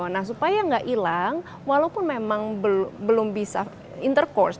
nah supaya nggak hilang walaupun memang belum bisa intercourse